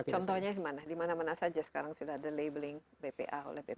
contohnya dimana mana saja sekarang sudah ada labeling bpa oleh bp pom